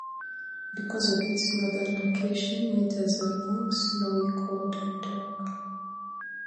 Because of its northern location, winters are long, snowy, cold, and dark.